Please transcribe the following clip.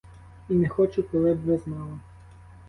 І не хочу, коли б ви знали.